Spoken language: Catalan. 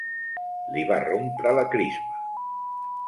Li va rompre la crisma.